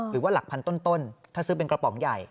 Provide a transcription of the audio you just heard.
หรือว่าหลักพันต้นถ้าซื้อเป็นกระป๋องใหญ่